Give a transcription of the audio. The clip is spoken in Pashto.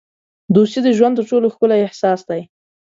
دوستي د ژوند تر ټولو ښکلی احساس دی.